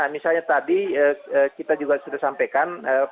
misalnya tadi kita juga sudah sampaikan